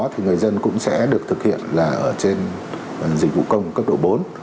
thì người dân cũng sẽ được thực hiện là ở trên dịch vụ công cấp độ bốn